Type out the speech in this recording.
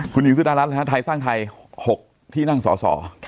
คุณหญิงสุดารัฐนะฮะไทยสร้างไทย๖ที่นั่งสอสอ